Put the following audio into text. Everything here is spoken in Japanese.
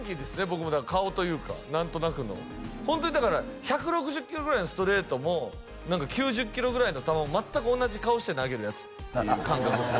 僕も顔というか何となくのホントにだから１６０キロぐらいのストレートも何か９０キロぐらいの球も全く同じ顔して投げるヤツっていう感覚です